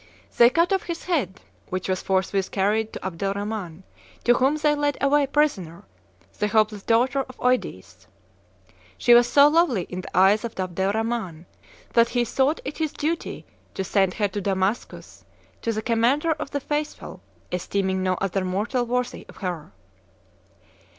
They cut off his head, which was forthwith carried to Abdel Rhaman, to whom they led away prisoner the hapless daughter of Eudes. She was so lovely in the eyes of Abdel Rhaman, that he thought it his duty to send her to Damascus, to the commander of the faithful, esteeming no other mortal worthy of her."